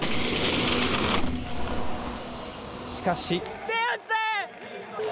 しかし。